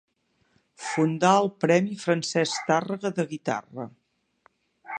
Fundà el premi Francesc Tàrrega de guitarra.